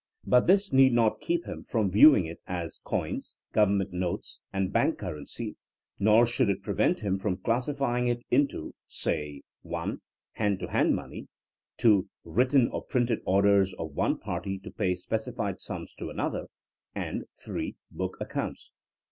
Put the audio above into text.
But this need not keep him from viewing it as coins, government notes, and bank currency, nor should it prevent him from classifying it into, say (1) Jiand to hand money, (2) written or printed orders of one party to pay specified sums to another, and (3) book accounts.